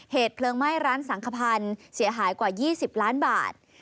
เหตุเพลิงไหม้ร้านสังขพันธ์เสียหายกว่า๒๐ล้านบาท